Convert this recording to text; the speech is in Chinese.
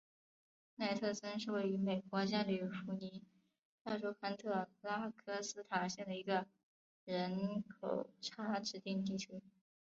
奈特森是位于美国加利福尼亚州康特拉科斯塔县的一个人口普查指定地区。